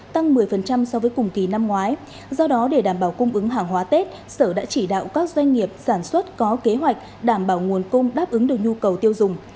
trong hàng hóa tết sở đã chỉ đạo các doanh nghiệp sản xuất có kế hoạch đảm bảo nguồn cung đáp ứng được nhu cầu tiêu dùng